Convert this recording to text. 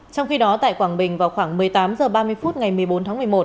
trong khi đó tại quảng bình vào khoảng một mươi tám h ba mươi phút ngày một mươi bốn tháng một mươi một